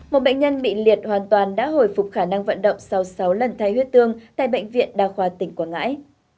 một bệnh nhân bị liệt hoàn toàn đã hồi phục khả năng vận động sau sáu lần thay huyết tương tại bệnh viện đa khoa tỉnh quảng ngãi